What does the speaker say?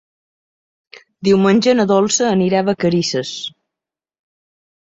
Diumenge na Dolça anirà a Vacarisses.